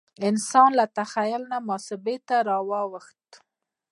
انسان له تخیل نه محاسبه ته واوښت.